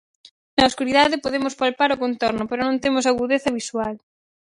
Na escuridade podemos palpar o contorno pero non temos agudeza visual.